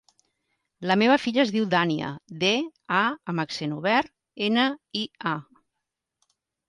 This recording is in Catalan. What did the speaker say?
La meva filla es diu Dània: de, a amb accent obert, ena, i, a.